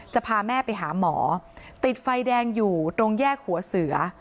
จะพาแม่ไปหาหมอติดไฟแดงอยู่ตรงแยกหัวเสือ